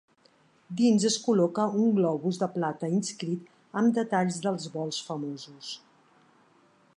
Dins es col·loca un globus de plata inscrit amb detalls dels vols famosos.